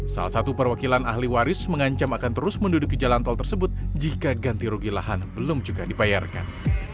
salah satu perwakilan ahli waris mengancam akan terus menduduki jalan tol tersebut jika ganti rugi lahan belum juga dibayarkan